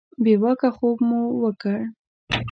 بې واکه خوب مو وکړ.